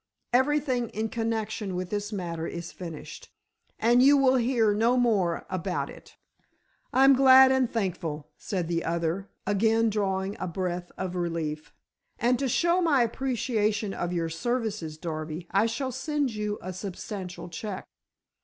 Everything in connection with this matter is finished, and you will hear no more about it." "I'm glad and thankful," said the other, again drawing a breath of relief, "and to show my appreciation of your services, Darby, I shall send you a substantial check."